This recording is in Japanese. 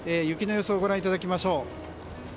雪の予想をご覧いただきましょう。